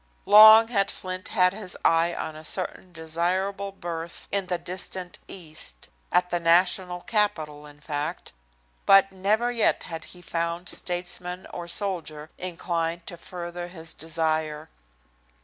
Long had Flint had his eye on a certain desirable berth in the distant East at the national capitol in fact but never yet had he found statesman or soldier inclined to further his desire.